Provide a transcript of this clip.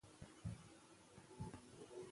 ټول افغانستان د کابل د ښار په نوم ډیر مشهور دی.